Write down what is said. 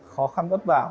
khó khăn gấp vào